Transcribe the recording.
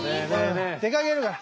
出かけるから。